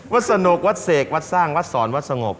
สนุกวัดเสกวัดสร้างวัดสอนวัดสงบ